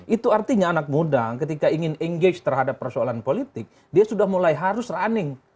itu artinya anak muda ketika ingin engage terhadap persoalan politik dia sudah mulai harus running